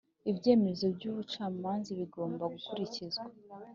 ibyemezo by ubucamanza bigomba gukurikizwa